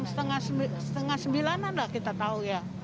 setengah sembilanan kita tahu ya